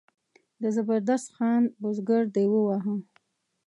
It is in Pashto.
د زبردست خان بزګر دی وواهه.